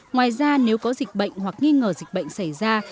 ngoài ra nếu có dịch bệnh hoặc nghi ngờ dịch bệnh xảy ra